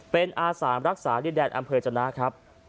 เป็นอาสารักษาดินแดนอำเภอจนะครับ